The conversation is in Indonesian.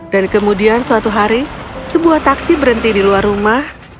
dan kemudian suatu hari sebuah taksi berhenti di luar rumah